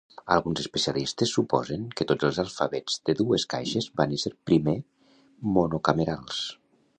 Alguns especialistes suposen que tots els alfabets de dues caixes van ésser primer monocamerals.